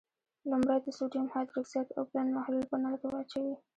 لومړی د سوډیم هایدرو اکسایډ اوبلن محلول په نل کې واچوئ.